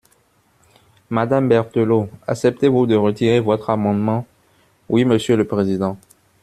Madame Berthelot, acceptez-vous de retirer votre amendement ? Oui, monsieur le président.